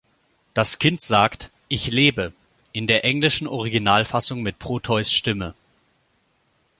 Das Kind sagt: „Ich lebe“, in der englischen Originalfassung mit Proteus’ Stimme.